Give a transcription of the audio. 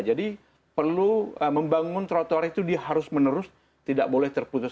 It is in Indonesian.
jadi perlu membangun trotoar itu dia harus menerus tidak boleh terputus